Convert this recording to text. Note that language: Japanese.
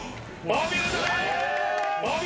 お見事です！